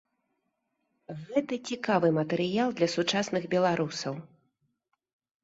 Гэта цікавы матэрыял для сучасных беларусаў.